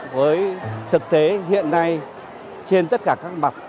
với thực tế hiện nay trên tất cả các bậc